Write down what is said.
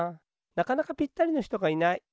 なかなかぴったりのひとがいない。